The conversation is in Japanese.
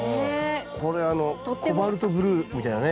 これコバルトブルーみたいなね